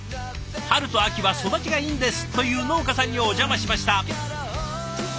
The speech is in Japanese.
「春と秋は育ちがいいんです」という農家さんにお邪魔しました。